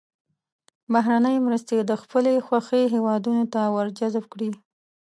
بهرنۍ مرستې د خپلې خوښې هېوادونو ته ور جذب کړي.